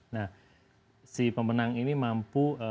nah si pemenang ini mampu